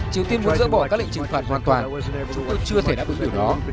triều tiên muốn dỡ bỏ các lệnh trừng phạt hoàn toàn chúng tôi chưa thể đáp ứng điều đó